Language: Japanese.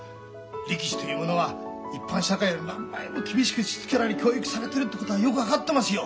力士というものは一般社会より何倍も厳しくしつけられ教育されてるってことはよく分かってますよ。